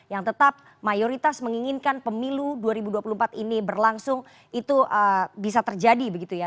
yang tetap mayoritas menginginkan pemilu dua ribu dua puluh empat ini berlangsung itu bisa terjadi begitu ya